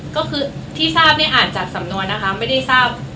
ก็คือที่ทราบเนี่ยอ่านจากสำนวนนะคะไม่ได้ทราบ